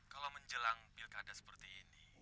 kalau menjelang pilkada seperti ini